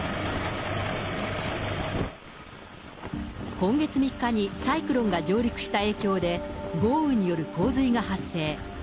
今月３日にサイクロンが上陸した影響で、豪雨による洪水が発生。